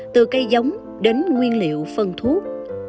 từ cây giống đến nguyên liệu phân thuốc